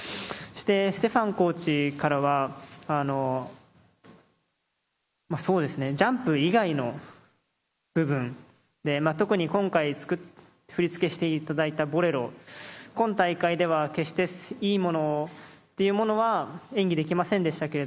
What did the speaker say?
そしてステファンコーチからは、そうですね、ジャンプ以外の部分で、特に今回、振り付けしていただいたボレロ、今大会では、決していいものというものは、演技できませんでした